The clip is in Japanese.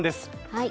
はい。